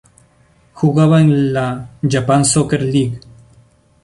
Jugaba en la Japan Soccer League.